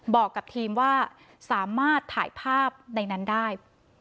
บอกกับทีมว่าสามารถถ่ายภาพในนั้นได้